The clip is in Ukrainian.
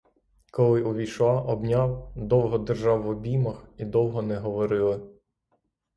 Коли увійшла, обняв, довго держав в обіймах, і довго не говорили.